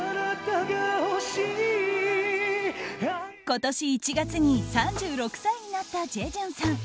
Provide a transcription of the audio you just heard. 今年１月に３６歳になったジェジュンさん。